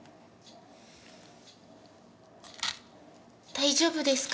大丈夫ですか？